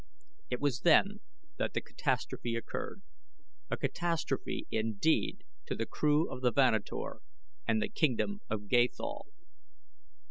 It was then that the catastrophe occurred a catastrophe indeed to the crew of the Vanator and the kingdom of Gathol.